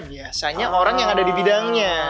biasanya orang yang ada di bidangnya